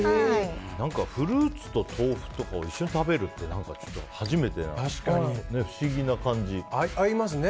フルーツと豆腐とかを一緒に食べるって初めてなので不思議な感じ。合いますね。